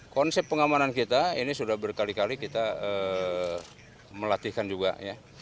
konsep pengamanan kita ini sudah berkali kali kita melatihkan juga ya